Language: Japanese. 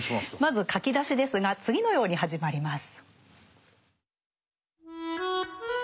まず書き出しですが次のように始まります。